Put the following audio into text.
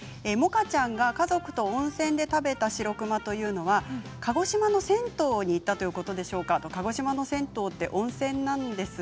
萌歌ちゃんが家族と温泉で食べたしろくまというのは鹿児島の銭湯に行ったということでしょうかそうなんです。